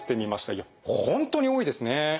いや本当に多いですね。